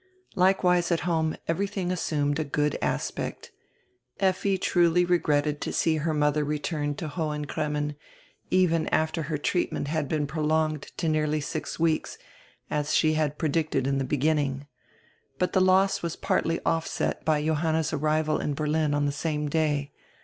Likewise at home everything assumed a good aspect. Effi truly regretted to see her modier return to Hohen Cremmen, even after her treatment had been prolonged to nearly six weeks, as she had predicted in the beginning. But die loss was partly offset by Johanna's arrival in Ber lin on die same day.